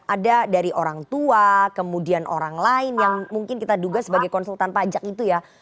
ada dari orang tua kemudian orang lain yang mungkin kita duga sebagai konsultan pajak itu ya